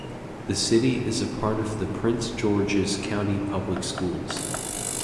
The city is a part of the Prince George's County Public Schools.